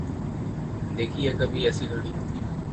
دیکھی ہے کبھی ایسی گھڑی